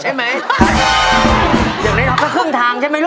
จะปล่องน้องปลวกเล็กปลูกใช่ไหม